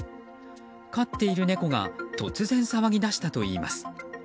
飼っている猫が突然騒ぎ出したといいます。